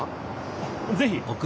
あっぜひ！